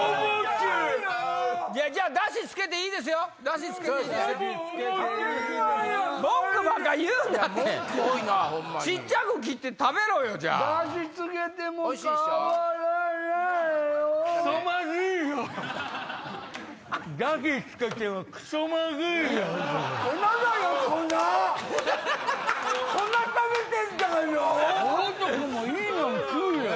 大男もいいもん食うよ。